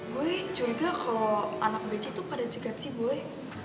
gue curiga kalau anak beja itu pada cegat sih boy